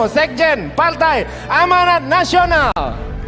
sekjen partai amanat nasional